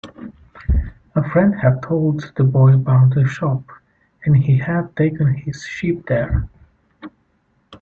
A friend had told the boy about the shop, and he had taken his sheep there.